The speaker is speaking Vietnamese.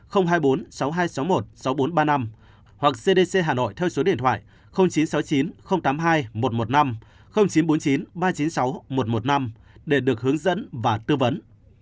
hoặc cdc hà nội theo số điện thoại chín trăm sáu mươi chín tám mươi hai một trăm một mươi năm chín trăm bốn mươi chín ba trăm chín mươi sáu một trăm một mươi năm để được hướng dẫn và tư vấn